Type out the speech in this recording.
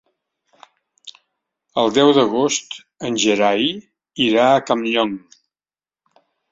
El deu d'agost en Gerai irà a Campllong.